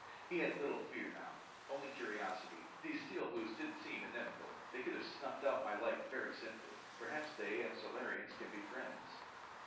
He had little fear now, only curiosity. These Steel Blues didn't seem inimical. They could have snuffed out my life very simply. Perhaps they and Solarians can be friends.